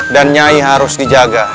dan nyai harus dijaga